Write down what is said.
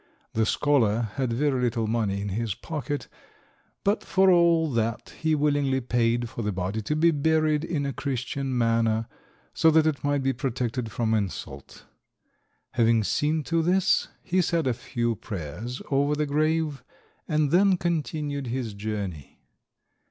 The scholar had very little money in his pocket, but for all that he willingly paid for the body to be buried in a Christian manner, so that it might be protected from insult. Having seen to this, he said a few prayers over the grave, and then continued his journey.